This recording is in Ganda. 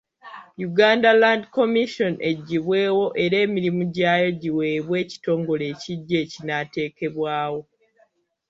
Uganda Land Commission eggyibwewo era emirimu gyayo giweebwe ekitongole ekiggya ekinaateekebwawo.